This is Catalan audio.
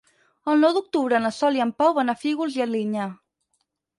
El nou d'octubre na Sol i en Pau van a Fígols i Alinyà.